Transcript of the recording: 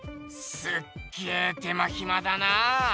すっげえ手間ひまだな。